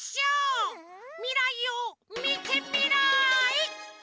みらいをみてみらい！